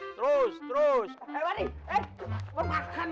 nanti kalau terjadi apa apa bagaimana